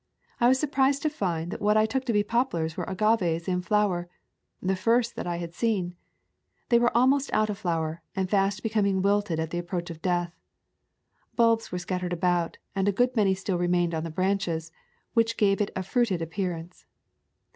I was surprised to find that what I took to be poplars were agaves in flower, the first I had seen. They were almost out of flower, and fast becoming wilted at the approach of death. Bulbs were scattered about, and a good many still remained on the branches, which gave it a fruited appearance.